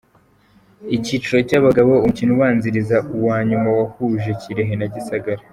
Icyiciro cy’Abagabo, umukino ubanziriza uwa nyuma wahuje Kirehe na Gisagara.